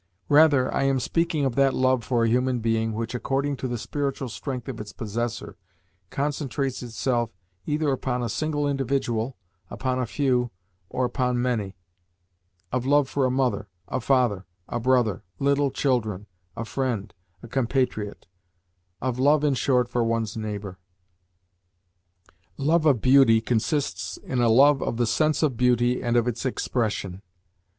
Rather am I speaking of that love for a human being which, according to the spiritual strength of its possessor, concentrates itself either upon a single individual, upon a few, or upon many of love for a mother, a father, a brother, little children, a friend, a compatriot of love, in short, for one's neighbour. Love of beauty consists in a love of the sense of beauty and of its expression.